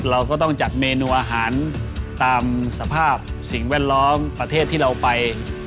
เราก็ต้องจัดเมนูอาหารตามสภาพสิ่งแวดล้อมประเทศที่เราไป